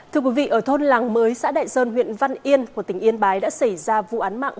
thưa quý vị ở thôn làng mới xã đại sơn huyện văn yên của tỉnh yên bái đã xảy ra vụ án mạng